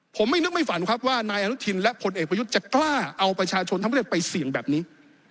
ผมไม่นึกไม่ฝันครับว่านายอนุทินและผลเอกประยุทธ์จะกล้าเอาประชาชนทั้งประเทศไปเสี่ยงแบบนี้